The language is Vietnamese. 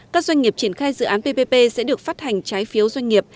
các doanh nghiệp triển khai dự án ppp sẽ được phát hành trái phiếu doanh nghiệp